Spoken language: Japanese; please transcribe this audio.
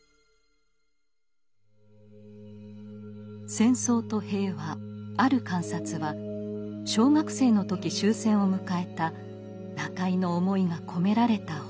「戦争と平和ある観察」は小学生の時終戦を迎えた中井の思いが込められた本。